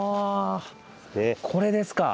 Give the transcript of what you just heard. これですか？